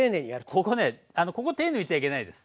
ここねここ手抜いちゃいけないです。